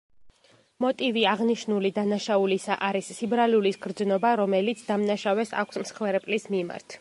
მოტივი აღნიშნული დანაშაულისა არის სიბრალულის გრძნობა, რომელიც დამნაშავეს აქვს მსხვერპლის მიმართ.